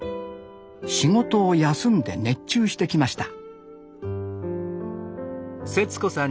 仕事を休んで熱中してきました